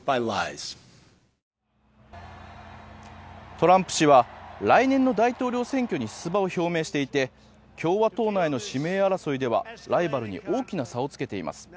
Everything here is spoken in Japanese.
トランプ氏は来年の大統領選挙に出馬を表明していて共和党内の指名争いではライバルに大きな差をつけています。